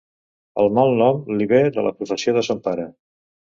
El malnom li ve de la professió de son pare.